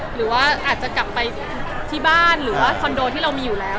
หรือว่าอาจจะกลับไปที่บ้านหรือว่าคอนโดที่เรามีอยู่แล้ว